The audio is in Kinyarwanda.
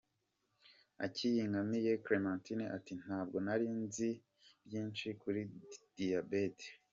Ayinkamiye Clementine ati “Ntabwo nari nzi byinshi kuri diyabete.